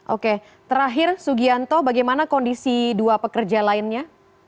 oke terakhir sugianto bagaimana kondisi dua pekerja lainnya